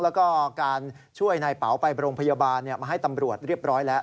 แล้วก็การช่วยนายเป๋าไปโรงพยาบาลมาให้ตำรวจเรียบร้อยแล้ว